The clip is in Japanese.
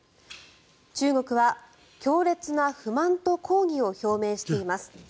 中国は強烈な不満と抗議を表明しています。